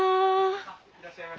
あいらっしゃいませ。